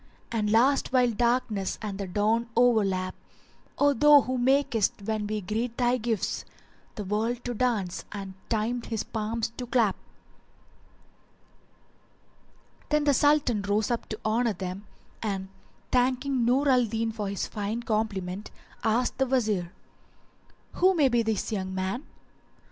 * And last while darkness and the dawn o'erlap: O thou who makest, when we greet thy gifts, * The world to dance and Time his palms to clap."[FN#384] Then the Sultan rose up to honour them, and thanking Nur al Din for his fine compliment, asked the Wazir, "Who may be this young man?"